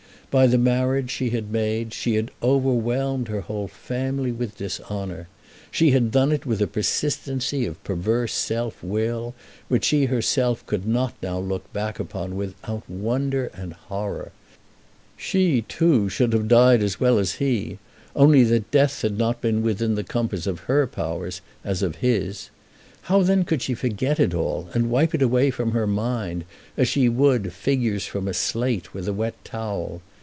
By the marriage she had made she had overwhelmed her whole family with dishonour. She had done it with a persistency of perverse self will which she herself could not now look back upon without wonder and horror. She, too, should have died as well as he, only that death had not been within the compass of her powers as of his. How then could she forget it all, and wipe it away from her mind, as she would figures from a slate with a wet towel?